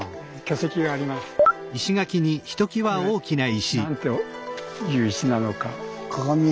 これ何という石なのか。